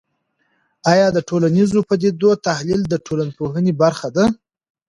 آیا د ټولنیزو پدیدو تحلیل د ټولنپوهنې برخه ده؟